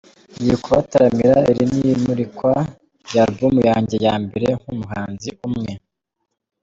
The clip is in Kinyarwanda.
Ngiye kubataramira, iri ni imurikwa rya album yanjye ya mbere nk’umuhanzi umwe.